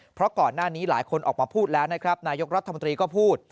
เพราะก่อนหน้านี้หลายคนออกมาพูดแล้วนะครับนายกรัฐมนตรีก็พูด